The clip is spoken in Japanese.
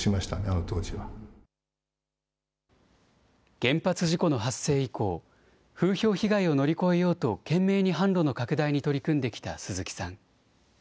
原発事故の発生以降、風評被害を乗り越えようと、懸命に販路の拡大に取り組んできた鈴木さん。